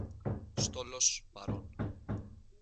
Στόλος, παρών.